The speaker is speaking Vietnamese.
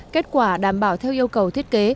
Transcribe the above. kết quả đảm bảo theo yêu cầu thiết kế